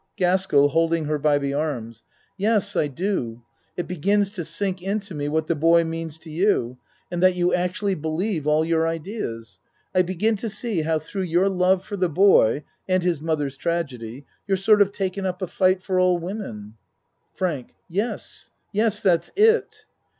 GASKELL (Holding her by the arms.) Yes, I do. It begins to sink into me what the boy means to you and that you actually believe all your ideas. I begin to see how through your love for the boy and his mother's tragedy you're sort of taken up a fight for all women. FRANK Yes, yes, that's it.